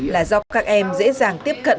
là do các em dễ dàng tiếp cận